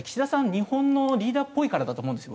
日本のリーダーっぽいからだと思うんですよ